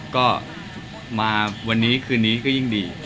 ก็มาวันนี้คืนนี้ก็ยิ่งดี